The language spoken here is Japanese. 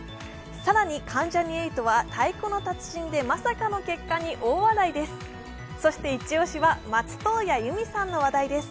更に関ジャニ∞は「太鼓の達人」でまさかの結果に大笑いです。